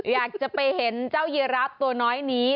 อยากจะไปเห็นเจ้ายีรับตัวน้อยนี้